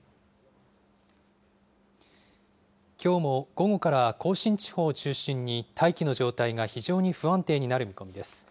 きょうも午後から甲信地方を中心に、大気の状態が非常に不安定になる見込みです。